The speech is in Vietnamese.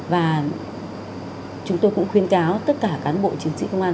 và chúng tôi cũng khuyên cáo tất cả cán bộ chiến sĩ công an